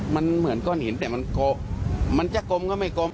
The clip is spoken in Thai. มันเหมือนก้อนหินแต่มันกลมมันจะกลมก็ไม่กลม